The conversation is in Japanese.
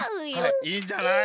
はいいいんじゃない？